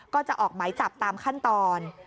ก็จะออกหมายจับตามขั้นตอน